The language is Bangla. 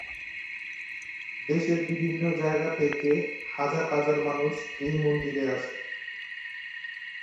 দেশের বিভিন্ন জায়গা থেকে হাজার হাজার মানুষ এই মন্দিরে আসে।